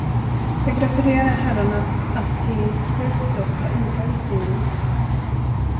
Jag gratulerar herrarna att till slut dock ha intagit Wien.